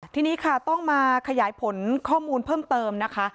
ทีนี้ค่ะต้องมาขยายผลข้อมูลเพิ่มเติมนะคะ